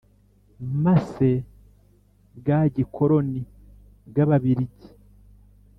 Masse bwa gikoroni bw Ababirigi